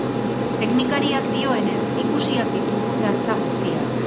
Teknikariak dioenez, ikusiak ditugu dantza guztiak.